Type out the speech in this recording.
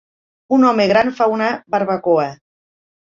Un home gran fa una barbacoa